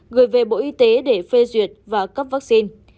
gửi về bộ y tế để phê duyệt và cấp vaccine